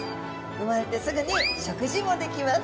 産まれてすぐに食事もできます。